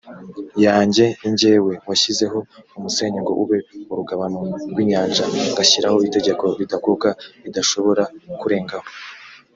yanjye i jyewe washyizeho umusenyi ngo ube urugabano rw inyanja ngashyiraho itegeko ridakuka idashobora kurengaho